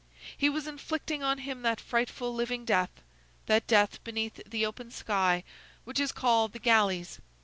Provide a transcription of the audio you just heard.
He was inflicting on him that frightful living death, that death beneath the open sky, which is called the galleys.